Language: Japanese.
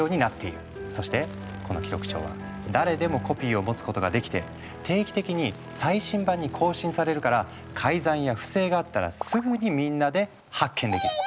そしてこの記録帳は誰でもコピーを持つことができて定期的に最新版に更新されるから改ざんや不正があったらすぐにみんなで発見できる。